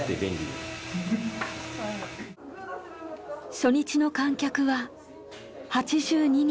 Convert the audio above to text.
初日の観客は８２人。